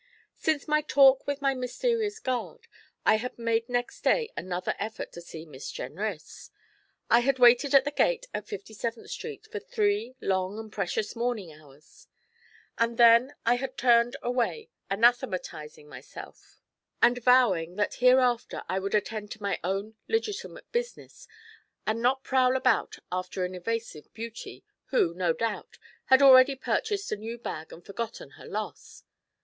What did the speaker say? Since my talk with my mysterious guard, I had made next day another effort to see Miss Jenrys. I had waited at the gate at Fifty seventh Street for three long and precious morning hours, and then I had turned away anathematizing myself, and vowing that hereafter I would attend to my own legitimate business, and not prowl about after an evasive beauty, who, no doubt, had already purchased a new bag and forgotten her loss.